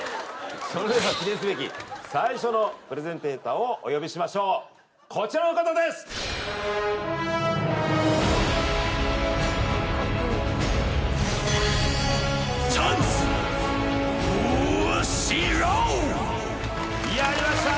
それでは記念すべき最初のプレゼンテーターをお呼びしましょうこちらの方ですやりました！